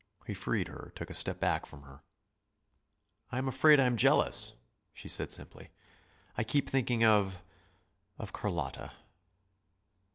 He freed her, took a step back from her. "I am afraid I am jealous," she said simply. "I keep thinking of of Carlotta."